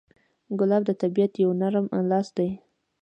ګلاب د طبیعت یو نرم لاس دی.